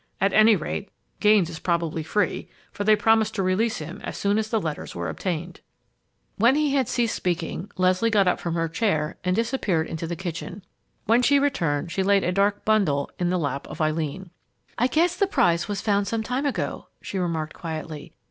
At any rate, Gaines is probably free, for they promised to release him as soon as the letters were obtained." When he had ceased speaking, Leslie got up from her chair and disappeared into the kitchen. When she returned, she laid a dark bundle in the lap of Eileen. "I guess the prize was found some time ago!" she remarked quietly.